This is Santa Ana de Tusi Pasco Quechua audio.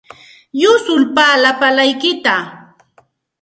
Yusulpaaqi lapalaykitsikta.